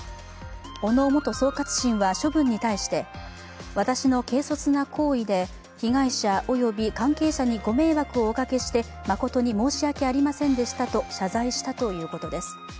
小野元総括審は処分に対して私の軽率な行為で被害者および関係者にご迷惑をおかけして誠に申し訳ありませんでしたと謝罪したということです。